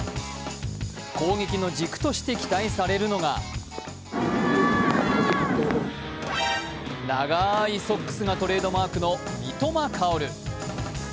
攻撃の軸として期待されるのが長いソックスがトレードマークの三笘薫。